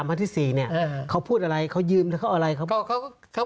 พันธุ์ที่๓พันธุ์ที่๔เนี่ยเขาพูดอะไรเขายืมแล้วเขาเอาอะไร